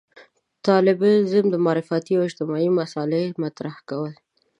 د طالبانيزم د معرفتي او اجتماعي مسألې مطرح کول.